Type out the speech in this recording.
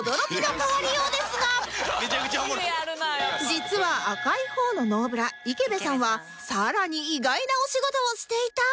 実は赤い方のノーブラ池辺さんは更に意外なお仕事をしていた？